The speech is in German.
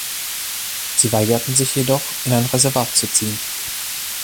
Sie weigerten sich jedoch, in ein Reservat zu ziehen.